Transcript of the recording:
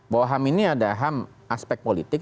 bahwa ham ini ada ham aspek politik